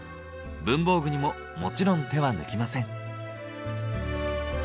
文房具にももちろん手は抜きません。